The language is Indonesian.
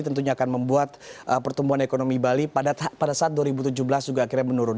tentunya akan membuat pertumbuhan ekonomi bali pada saat dua ribu tujuh belas juga akhirnya menurun